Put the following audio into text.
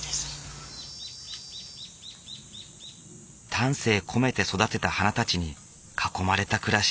丹精込めて育てた花たちに囲まれた暮らし。